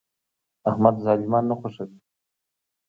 احمد ظالمان نه خوښوي.